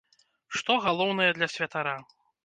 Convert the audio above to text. Што галоўнае для святара?